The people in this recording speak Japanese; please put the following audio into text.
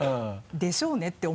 「でしょうね」って